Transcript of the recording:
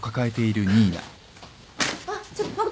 あっちょっと誠！